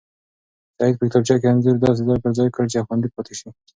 سعید په کتابچه کې انځور داسې ځای پر ځای کړ چې خوندي پاتې شي.